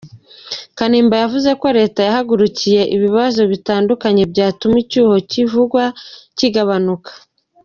Kanimba yavuze ko leta yahagurukiye ibibazo bitandukanye byatuma icyuho kivugwa kigabanuka.